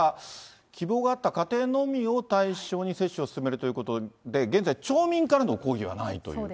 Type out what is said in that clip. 希望があった家庭のみを対象に接種を進めるということで、現在、町民からの抗議はないという。